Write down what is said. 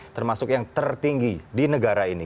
termasuk yang tertinggi di negara ini